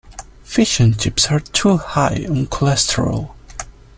Fish and chips are too high in cholesterol.